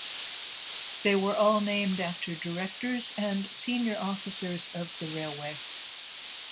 They were all named after directors and senior officers of the railway.